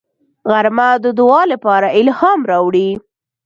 غرمه د دعا لپاره الهام راوړي